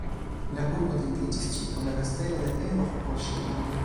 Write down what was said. La urbo etendiĝis ĉirkaŭ la kastelo de Edo por ŝoguno.